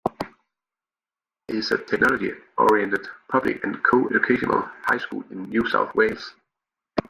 It is a technology oriented, public and co-educational high school in New South Wales.